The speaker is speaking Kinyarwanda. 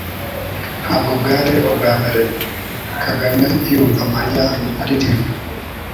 Ntabwo bwari ubwa mbere Kagame yumva Mariya aririmba